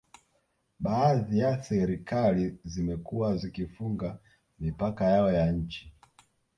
Baadhi ya serikali zimekuwa zikifunga mipaka yao ya nchi